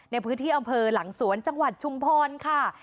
ในพื้นที่อำเภอหลังสวนจังหวัดชุมพรค่ะ